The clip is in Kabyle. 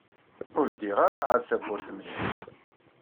Ur ldiɣ ara ɛad tawwurt mliḥ.